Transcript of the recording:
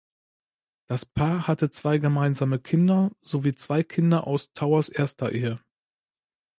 Das Paar hatte zwei gemeinsame Kinder sowie zwei Kinder aus Towers’ erster Ehe.